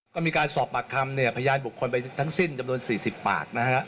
ก็มีการสอบปากคำพยายามบุคคลไปทั้งสิ้นจำนวน๔๐ปาก